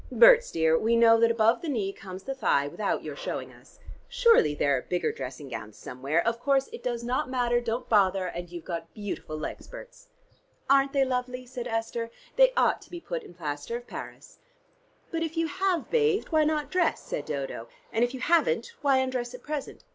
Berts, dear, we know that above the knee comes the thigh, without your showing us. Surely there are bigger dressing gowns somewhere? Of course it does not matter: don't bother, and you've got beautiful legs, Berts." "Aren't they lovely?" said Esther. "They ought to be put in plaster of Paris." "But if you have bathed, why not dress?" said Dodo; "and if you haven't, why undress at present?"